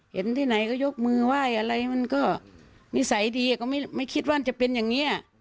เห็นที่ไหนก็ยกมือไหว้อะไรมันก็นิสัยดีก็ไม่คิดว่าจะเป็นอย่างนี้